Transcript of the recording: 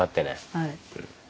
はい。